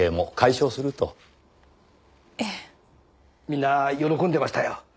みんな喜んでましたよ。